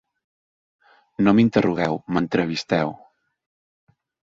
No m’interrogueu, m’entrevisteu.